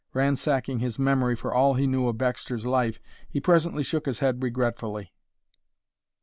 Ransacking his memory for all he knew of Baxter's life he presently shook his head regretfully.